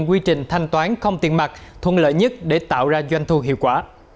quy trình thanh toán không tiền mặt thuận lợi nhất để tạo ra doanh thu hiệu quả